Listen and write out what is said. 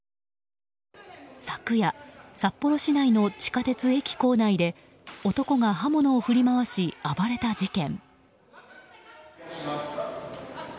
昨夜、札幌市内の地下鉄駅構内で男が刃物を振り回し、暴れた事件。